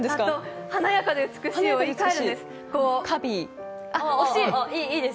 華やかで美しいを言い換えるんです。